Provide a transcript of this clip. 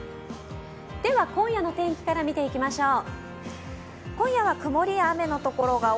では、今夜の天気から見ていきましょう。